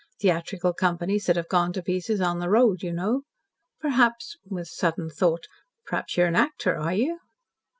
Theatrical companies that have gone to pieces on the road, you know. Perhaps " with a sudden thought, "you're an actor. Are you?"